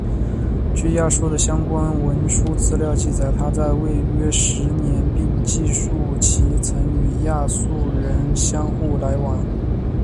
据亚述的相关文书资料记载他在位约十年并记述其曾与亚述人相互往来。